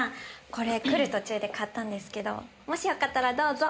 これ来る途中で買ったんですけどもしよかったらどうぞ。